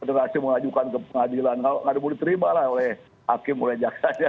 penderasi mengajukan ke pengadilan tidak boleh terima lah oleh hakim oleh jaksanya